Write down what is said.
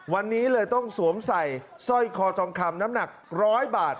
วันนี้เลยต้องสวมใส่สร้อยคอทองคำน้ำหนัก๑๐๐บาท